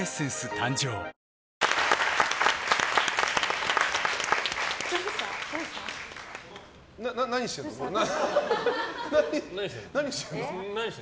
誕生何してんの？